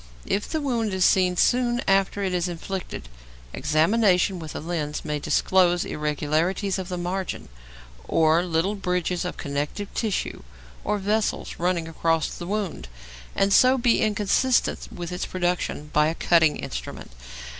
If the wound is seen soon after it is inflicted, examination with a lens may disclose irregularities of the margins, or little bridges of connective tissue or vessels running across the wound, and so be inconsistent with its production by a cutting instrument.